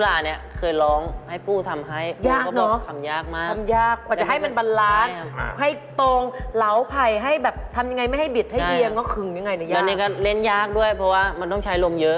แล้ว๖๓สักบันดี